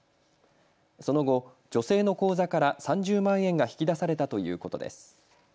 その後、女性の口座から３０万円が引き出されたということです。